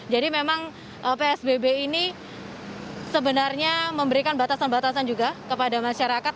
jadi memang psbb ini sebenarnya memberikan batasan batasan juga kepada masyarakat